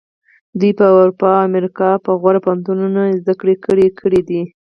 دوی په اروپا او امریکا کې په غوره پوهنتونونو کې زده کړې کړې دي.